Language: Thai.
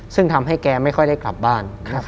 ซึ่งทำให้แกไม่ค่อยได้กลับบ้าน